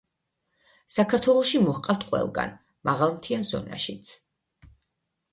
საქართველოში მოჰყავთ ყველგან, მაღალმთიან ზონაშიც.